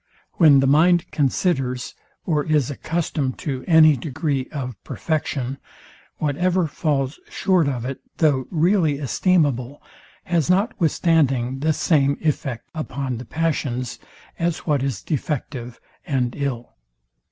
When the mind considers, or is accustomed to, any degree of perfection, whatever falls short of it, though really esteemable, has notwithstanding the same effect upon the passions; as what is defective and ill.